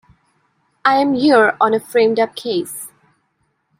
I'm here on a framed-up case.